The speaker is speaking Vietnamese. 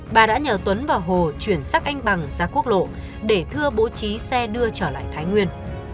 bà đã nhờ tuấn và hồ chuyển xác anh bằng ra quốc lộ để thưa bố trí xe đưa trở lại thái nguyên